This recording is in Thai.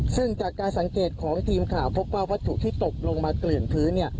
ซึ่งจากการสังเกตของทีมข่าวพบว่าวัตถุที่ตกลงมาเกลื่อนพื้น